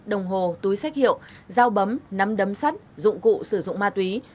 đồng hồ túi xách hiệu dao bấm nắm đấm sắt dụng cụ sử dụng ma túy